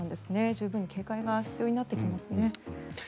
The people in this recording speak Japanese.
十分に警戒が必要になってきますね。